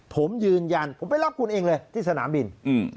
ผมยืนยันผมไปรับคุณเองเลยที่สนามบิน